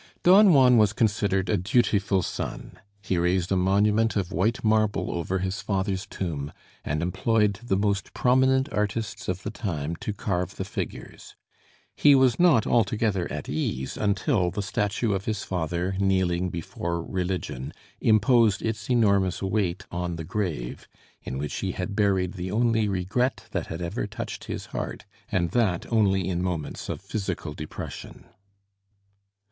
Don Juan was considered a dutiful son. He raised a monument of white marble over his father's tomb, and employed the most prominent artists of the time to carve the figures. He was not altogether at ease until the statue of his father, kneeling before Religion, imposed its enormous weight on the grave, in which he had buried the only regret that had ever touched his heart, and that only in moments of physical depression.